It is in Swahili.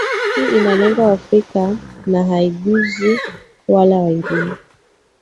hii inalenga waafrika na haiguzi wale wengine